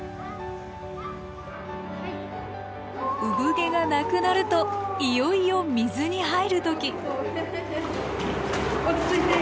産毛がなくなるといよいよ水に入る時。